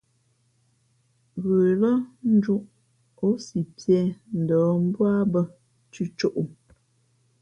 Ghə lά njūʼ, ǒ si piē ndαα mbú ā bᾱ cʉ̌côʼ.